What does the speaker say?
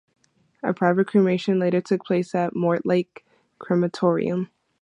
A private cremation later took place at Mortlake Crematorium.